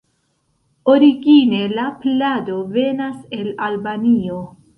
Origine la plado venas el Albanio.